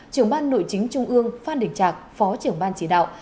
trưởng ban nội chính trung ương phan đình trạc phó trưởng ban chỉ đạo